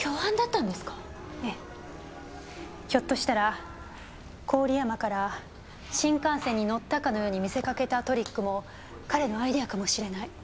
ひょっとしたら郡山から新幹線に乗ったかのように見せかけたトリックも彼のアイデアかもしれない。